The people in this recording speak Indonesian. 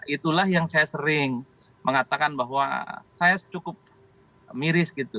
itulah yang saya sering mengatakan bahwa saya cukup miris gitu